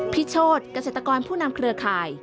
พิษโชทกระเศรษฐกรผู้นำเครือข่าย